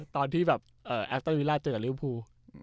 ตอนที่แบบเอ่อแอฟเตอร์วิลลาเจอกับลิวพู